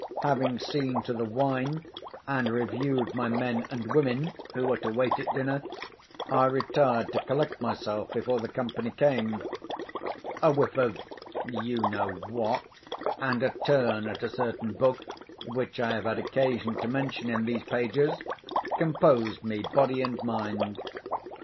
Having seen to the wine, and reviewed my men and women who were to wait at dinner, I retired to collect myself before the company came. A whiff of—you know what, and a turn at a certain book which I have had occasion to mention in these pages, composed me, body and mind.